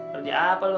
kerja apa lu